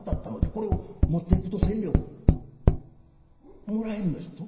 これを持っていくと千両もらえるのじゃぞ。